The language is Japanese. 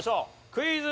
クイズ。